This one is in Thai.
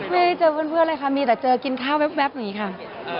ไม่ได้เจอเพื่อนเลยค่ะมีแต่เจอกินข้าวแว๊บอย่างนี้ค่ะ